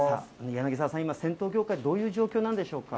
柳澤さん、今、銭湯業界はどういう状況なんでしょうか？